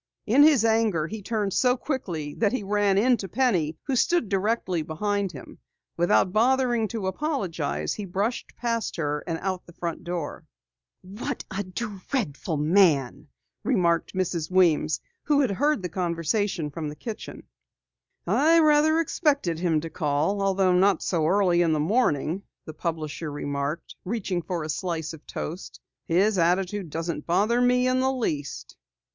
In his anger he turned so quickly that he ran into Penny who stood directly behind him. Without bothering to apologize, he brushed past her, out the front door. "What a dreadful man!" remarked Mrs. Weems who had heard the conversation from the kitchen. "I rather expected him to call, although not so early in the morning," the publisher remarked, reaching for a slice of toast. "His attitude doesn't bother me in the least."